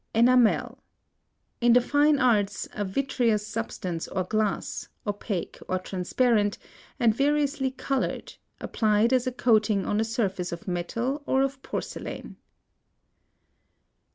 ENAMEL. In the fine arts a vitreous substance or glass, opaque or transparent, and variously colored, applied as a coating on a surface of metal or of porcelain.